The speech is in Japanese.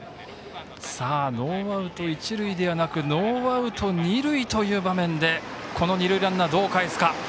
ノーアウト一塁ではなくノーアウト二塁という場面でこの二塁ランナーをどうかえすか。